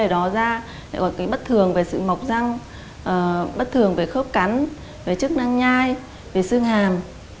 ngoài đó ra lại có cái bất thường về sự mọc răng bất thường về khớp cắn về chức năng nhai về xương hàm